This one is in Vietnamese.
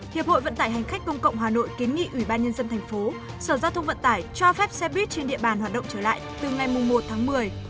hiệp hội vận tải hành khách công cộng hà nội kiến nghị ủy ban nhân dân thành phố sở giao thông vận tải cho phép xe buýt trên địa bàn hoạt động trở lại từ ngày một tháng một mươi